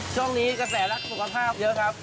ช่วงนี้กระแสรักสุขภาพเยอะครับ